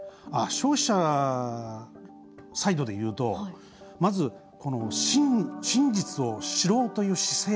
消費者サイドで言うと真実を知ろうという姿勢かな。